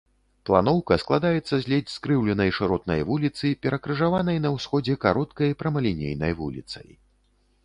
Планоўка складаецца з ледзь скрыўленай шыротнай вуліцы, перакрыжаванай на ўсходзе кароткай прамалінейнай вуліцай.